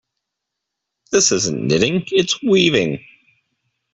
This isn't knitting, its weaving.